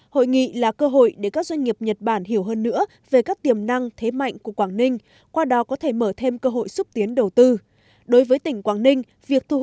hội nghị là cơ hội để các doanh nghiệp nhật bản hiểu hơn nữa về các tiềm năng thế mạnh của quảng ninh qua đó có thể mở thêm cơ hội xúc tiến đầu tư